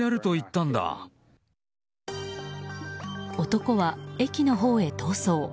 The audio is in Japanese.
男は駅のほうへ逃走。